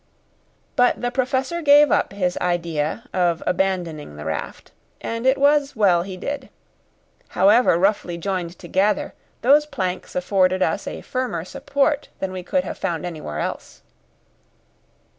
But the Professor gave up his idea of abandoning the raft, and it was well he did. However roughly joined together, those planks afforded us a firmer support than we could have found anywhere else.